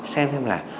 xem thêm là